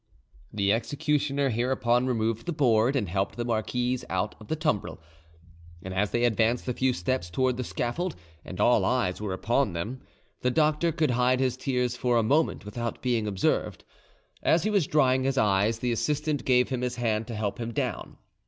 The executioner hereupon removed the board, and helped the marquise out of the tumbril; and as they advanced the few steps towards the scaffold, and all eyes were upon them, the doctor could hide his tears for a moment without being observed. As he was drying his eyes, the assistant gave him his hand to help him down.